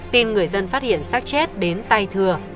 tin người dân phát hiện sát chết đến tay thưa